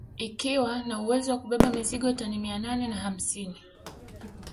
Ikiwa na uwezo wa kubeba mizigo tani mia nane na hamsini